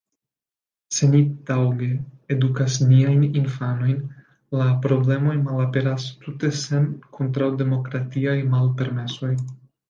Se ni taŭge edukas niajn infanojn, la problemoj malaperas tute sen kontraŭdemokratiaj malpermesoj.